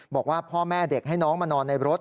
บอกว่าพ่อแม่เด็กให้น้องมานอนในรถ